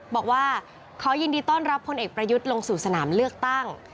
บอกว่าขอยินดีต้อนรับพลเอกประยุทธ์ลงสู่สนามเลือกตั้ง